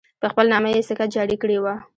په خپل نامه یې سکه جاري کړې وه.